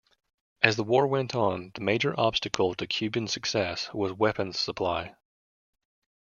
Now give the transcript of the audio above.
As the war went on, the major obstacle to Cuban success was weapons supply.